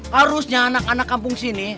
harusnya anak anak kampung sini